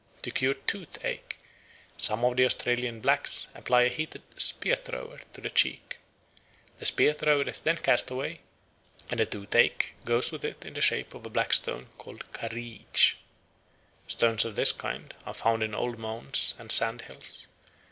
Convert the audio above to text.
To cure toothache some of the Australian blacks apply a heated spear thrower to the cheek. The spear thrower is then cast away, and the toothache goes with it in the shape of a black stone called karriitch. Stones of this kind are found in old mounds and sandhills.